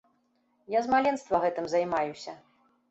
Я з маленства гэтым займаюся.